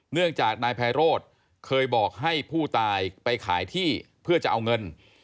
เนื่องจากนายไพโรธเคยบอกให้ผู้ตายไปขายที่เพื่อจะเอาเงิน